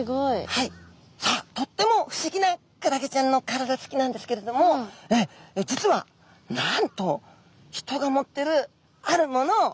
さあとっても不思議なクラゲちゃんの体つきなんですけれども実はなんとえっ何だろう？